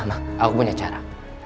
mas aku punya cara